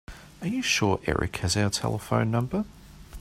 Are you sure Erik has our telephone number?